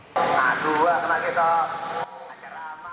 dibanding dengan wilayah yang lain